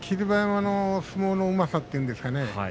馬山の相撲のうまさというんですかね